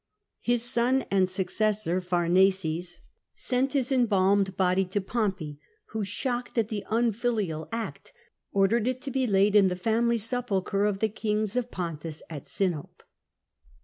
His son and successor, Pharnaces, sent Ms 26 o POMPEY embalmed body to Pompey, who, shocked at the unfilial act, ordered it to be laid in the family sepulchre of the kings of Pontus at Sinope.